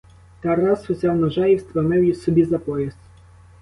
Тарас узяв ножа і встромив собі за пояс.